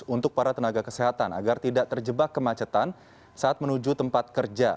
untuk para tenaga kesehatan agar tidak terjebak kemacetan saat menuju tempat kerja